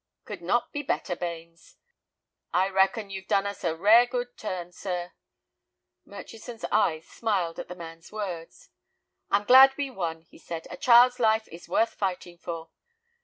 "Could not be better, Bains." "I reckon you've done us a rare good turn, sir." Murchison's eyes smiled at the man's words. "I'm glad we won," he said; "a child's life is worth fighting for."